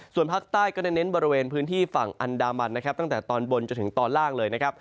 ส่วนภาคใต้ก็เน้นบริเวณพื้นที่ฝั่งอันดามันนะครับตั้งแต่ตอนบนจนถึงตอนล่างเลยนะครับ